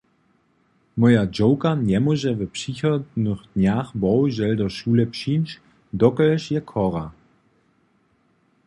Moja dźowka njemóže w přichodnych dnjach bohužel do šule přińć, dokelž je chora.